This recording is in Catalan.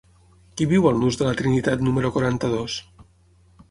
Qui viu al nus de la Trinitat número quaranta-dos?